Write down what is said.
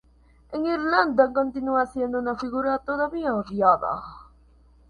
En Irlanda continúa siendo una figura todavía odiada.